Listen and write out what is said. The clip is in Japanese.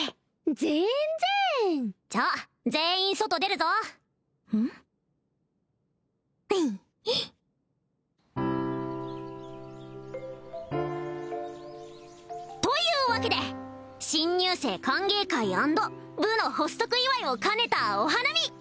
全然じゃあ全員外出るぞうん？というわけで新入生歓迎会＆部の発足祝いを兼ねたお花見！